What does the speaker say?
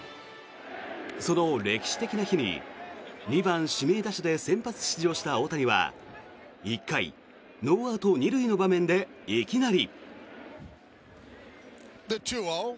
その歴史的な日に２番指名打者で先発出場した大谷は１回、ノーアウト２塁の場面でいきなり。